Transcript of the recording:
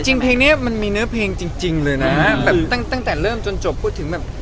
จริงเพลงเนี้ยมันมีเนื้อเพลงจริงเลยนะแบบตั้งแต่เริ่มจนจบพูดถึงแบบ